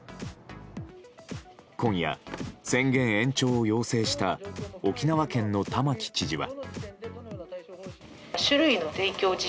今夜、宣言延長を要請した沖縄県の玉城知事は。